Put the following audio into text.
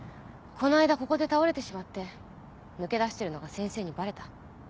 この間ここで倒れてしまって抜け出してるのが先生にバレた。